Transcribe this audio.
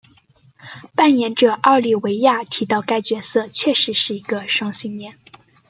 扮演者奥利维亚提到该角色确实是一个双性恋。